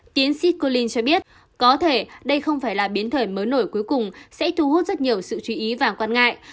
tiến sĩ collyn cho biết có thể đây không phải là biến thể mới nổi cuối cùng sẽ thu hút rất nhiều sự chú ý và quan ngại